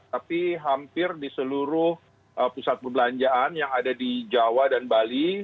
tapi hampir di seluruh pusat perbelanjaan yang ada di jawa dan bali